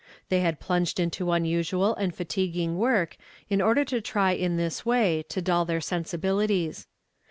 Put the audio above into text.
They had plunged into unusual and fatiguing work in order to try in this way to dull their sen sibilities.